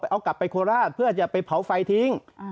เอากลับไปโคราชเพื่อจะไปเผาไฟทิ้ง